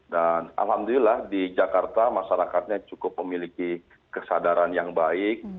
dan alhamdulillah di jakarta masyarakatnya cukup memiliki kesadaran yang baik